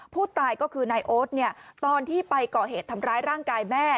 ผู้ตายก็คือนายโอ๊ตตอนที่ไปก่อเหตุทำร้ายร่างกายแม่